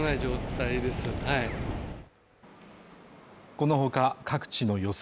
このほか各地の予想